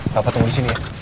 bapak tunggu di sini ya